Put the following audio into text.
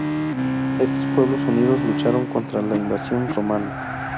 Estos pueblos unidos lucharon contra la invasión romana.